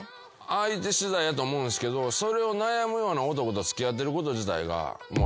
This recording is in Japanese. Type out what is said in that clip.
相手しだいやと思うんすけどそれを悩むような男と付き合ってること自体が。